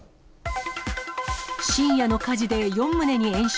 深夜の火事で４棟に延焼。